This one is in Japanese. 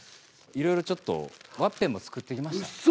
いろいろちょっとワッペンも作ってきました。